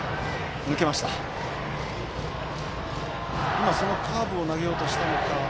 今、そのカーブを投げようとしたのか。